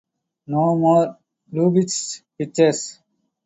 No more Lubitsch pictures.